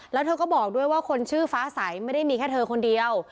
แล้วเธอก็บอกด้วยว่าคนชื่อฟ้าใสไม่ได้มีแค่เธอคนเดียว